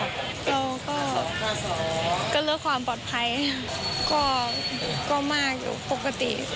เราก็เลือกความปลอดภัยก็มากอยู่ปกติ